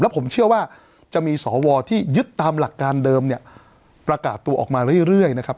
ผมเชื่อว่าจะมีสวที่ยึดตามหลักการเดิมเนี่ยประกาศตัวออกมาเรื่อยนะครับ